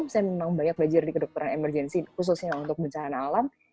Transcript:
misalnya memang banyak belajar di kedokteran emergensi khususnya untuk bencana alam